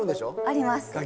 あります。